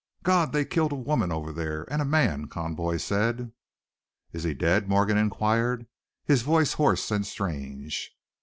"God! they killed a woman over there and a man!" Conboy said. "Is he dead?" Morgan inquired, his voice hoarse and strange.